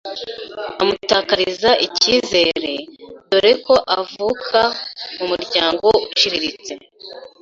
umutakariza icyizere, dore ko avuka mu muryango uciriritse